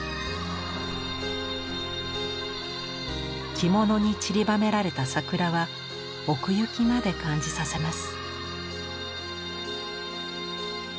着物にちりばめられた桜は奥行きまで感じさせます。